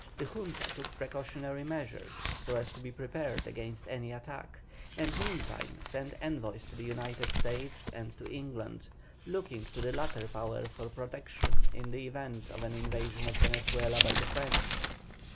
The Junta took precautionary measures so as to be prepared against any attack, and meantime sent envoys to the United States and to England; looking to the latter power for protection in the event of an invasion of Venezuela by the French.